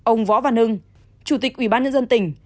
ông võ văn hưng chủ tịch ubnd tỉnh